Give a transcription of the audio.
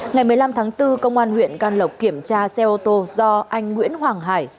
ngày một mươi năm tháng bốn công an huyện can lộc kiểm tra xe ô tô do anh nguyễn hoàng hải